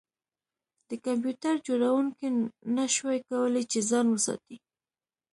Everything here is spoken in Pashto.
د کمپیوټر جوړونکي نشوای کولی چې ځان وساتي